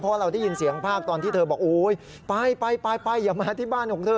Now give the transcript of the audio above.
เพราะเราได้ยินเสียงภาคตอนที่เธอบอกโอ้ยไปไปอย่ามาที่บ้านของเธอ